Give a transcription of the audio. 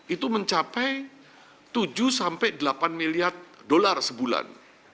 itu mencapai tujuh sampai delapan miliar dolar sebulan